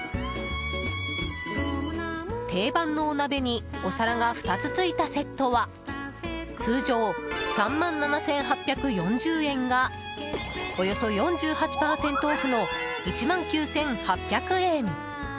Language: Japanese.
定番のお鍋にお皿が２つついたセットは通常３万７８４０円がおよそ４８％オフの１万９８００円！